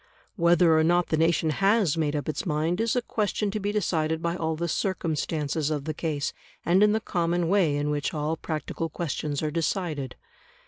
Whether or not the nation has made up its mind is a question to be decided by all the circumstances of the case, and in the common way in which all practical questions are decided.